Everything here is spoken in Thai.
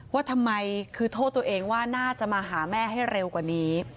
ว่าทำไมคือโทษตัวเองว่าน่าจะมาหาแม่ให้เร็วกว่านี้